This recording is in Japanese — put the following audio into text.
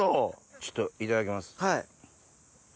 ちょっといただきます。